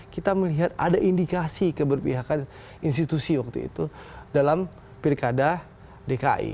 kita melihat ada indikasi keberpihakan institusi waktu itu dalam pilkada dki